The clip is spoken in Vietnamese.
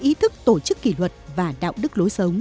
ý thức tổ chức kỷ luật và đạo đức